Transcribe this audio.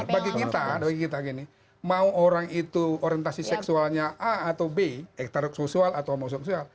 bagi kita mau orang itu orientasi seksualnya a atau b ekstra sosial atau homo sosial